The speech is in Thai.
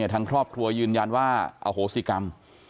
ทางครอบครัวยืนยันว่าอโหสิกรรม